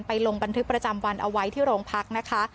ลงบันทึกประจำวันเอาไว้ที่โรงพักนะคะ